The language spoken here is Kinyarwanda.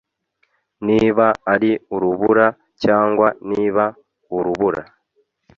niba ari urubura cyangwa niba urubura